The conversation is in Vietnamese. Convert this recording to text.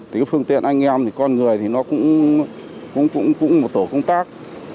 thì phương tiện anh em thì con người thì nó cũng một tổ công tác